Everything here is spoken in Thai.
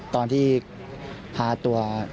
ตอนที่พาตัวคนที่